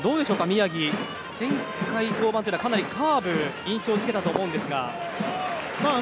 宮城は前回の登板はかなりカーブを印象付けたと思うんですが。